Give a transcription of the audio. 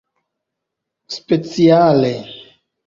speciale